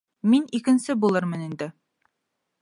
Мин икенсе булырмын инде.